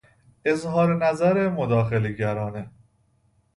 اظهارنظر مداخله گرانه